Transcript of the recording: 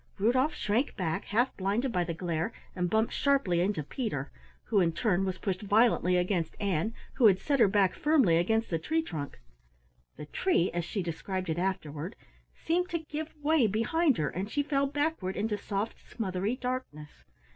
Rudolf shrank back, half blinded by the glare, and bumped sharply into Peter, who in turn was pushed violently against Ann, who had set her back firmly against the tree trunk. The tree, as she described it afterward, seemed to give way behind her, and she fell backward into soft smothery darkness.